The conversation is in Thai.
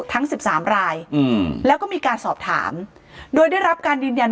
ทั้งสิบสามรายอืมแล้วก็มีการสอบถามโดยได้รับการยืนยัน